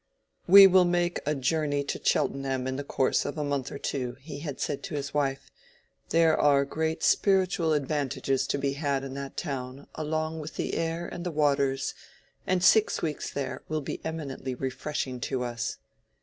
"We will make a journey to Cheltenham in the course of a month or two," he had said to his wife. "There are great spiritual advantages to be had in that town along with the air and the waters, and six weeks there will be eminently refreshing to us."